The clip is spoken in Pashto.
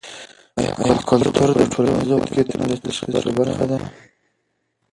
ایا کلتور د ټولنیزو واقعیتونو د تشخیص یوه برخه ده؟